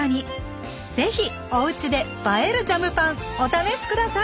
ぜひおうちで映えるジャムパンお試し下さい！